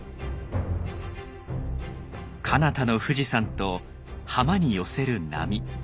かなたの富士山と浜に寄せる波。